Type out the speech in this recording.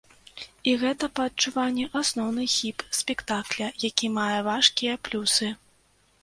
І гэта, па адчуванні, асноўны хіб спектакля, які мае важкія плюсы.